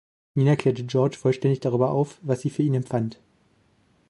Nina klärte George vollständig darüber auf, was sie für ihn empfand.